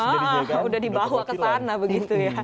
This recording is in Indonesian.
wah udah dibawa ke sana begitu ya